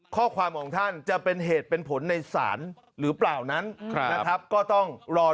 ข้อความของท่านจะเป็นเหตุเป็นผลในสารหรือเปล่านั้น